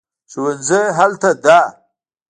ښوونځی هلته دی